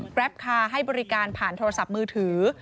แรปคาร์ให้บริการผ่านโทรศัพท์มือถือ